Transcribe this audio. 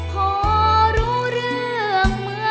พ่อรู้เรื่องเมืองล่วง